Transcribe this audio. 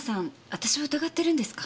私を疑ってるんですか？